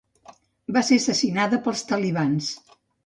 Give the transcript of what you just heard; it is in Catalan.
Va ser assassinada pels talibans.